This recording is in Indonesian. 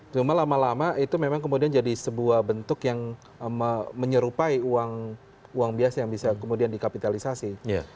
cuma lama lama itu memang kemudian jadi sebuah bentuk yang menyerupai uang biasa yang bisa kemudian dikapitalisasi